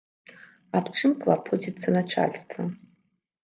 Аб чым клапоціцца начальства?